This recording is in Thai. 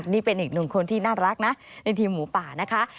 นี่เป็นอีกหนึ่งคนที่น่ารักนะในทีมหมูป่านะคะ